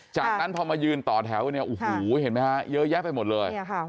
จากนั้นพอมายืนต่อแถวกันเนี่ยโอ้โหเห็นไหมฮะเยอะแยะไปหมดเลย